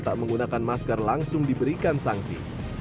tak menggunakan masker langsung diberikan sanksi